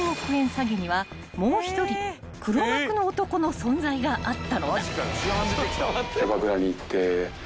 詐欺にはもう１人黒幕の男の存在があったのだ］